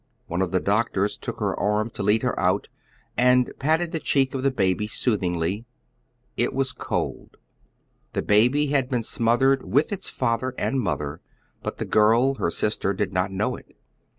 One of the doctors took her arm to lead her out, and patted the cbeek of the baby soothingly. It was cold. The baby had been smothered with its oy Google JEWTOWN. 115 father and mother ; but the girl, her sister, did not know it.